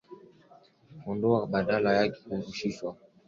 kuondoka badala yake wakiruhusiwa waingie nchini humo mara kwa mara